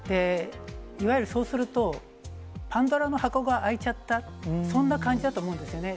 いわゆるそうすると、パンドラの箱が開いちゃった、そんな感じだと思うんですね。